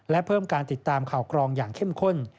และเพิ่มการติดตามข่าวกรองอย่างเข้มข้น